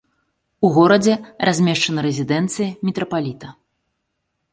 У горадзе размешчана рэзідэнцыя мітрапаліта.